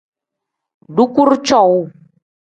Dukuru cowuu.